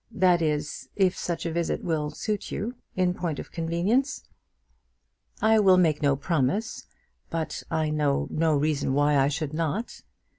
that is, if such a visit will suit you, in point of convenience?" "I will make no promise; but I know no reason why I should not."